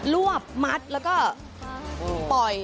วบมัดแล้วก็ปล่อย